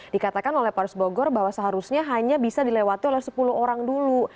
dikatakan oleh paris bogor bahwa seharusnya hanya bisa dilewati oleh sepuluh orang dulu